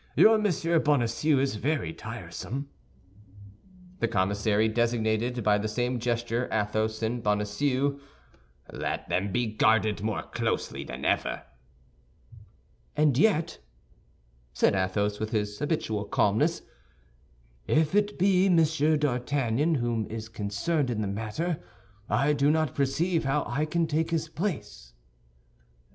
Your Monsieur Bonacieux is very tiresome." The commissary designated by the same gesture Athos and Bonacieux, "Let them be guarded more closely than ever." "And yet," said Athos, with his habitual calmness, "if it be Monsieur d'Artagnan who is concerned in this matter, I do not perceive how I can take his place."